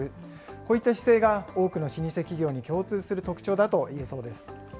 こういった姿勢が多くの老舗企業に共通する特徴だといえそうです。